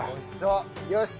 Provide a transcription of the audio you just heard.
よし！